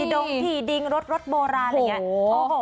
ดงผีดิงรถรถโบราณ